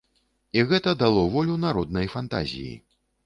І гэта дало волю народнай фантазіі.